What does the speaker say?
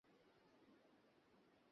আমার মনে হচ্ছে ও খুব অসুস্থ।